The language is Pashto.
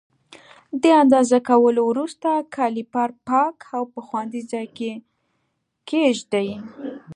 د اندازه کولو وروسته کالیپر پاک او په خوندي ځای کې کېږدئ.